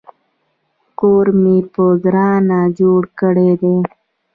کور مې په ګرانه جوړ کړی دی